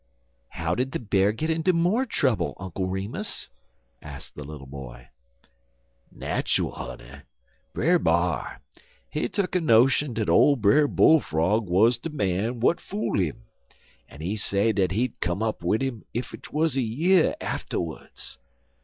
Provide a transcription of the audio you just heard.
"How did the Bear get into more trouble, Uncle Remus?" asked the little boy. "Natchul, honey. Brer B'ar, he tuck a notion dat ole Brer Bull frog wuz de man w'at fool 'im, en he say dat he'd come up wid 'im ef 'twuz a year atterwuds.